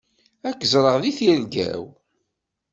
Ad k-ẓreɣ deg tirga-w.